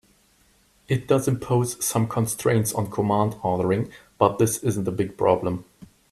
It does impose some constraints on command ordering, but this isn't a big problem.